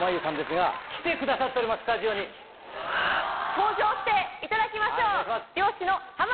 登場していただきましょう。